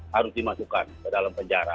harus dimasukkan ke dalam penjara